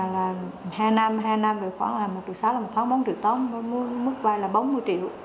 và hai năm hai năm thì khoảng là một triệu sáu là một tháng bốn triệu tóm mức vay là bốn mươi triệu